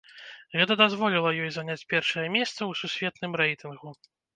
Гэта дазволіла ёй заняць першае месца ў сусветным рэйтынгу.